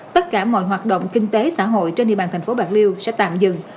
tất cả mọi hoạt động kinh tế xã hội trên địa bàn thành phố bạc liêu sẽ tạm dừng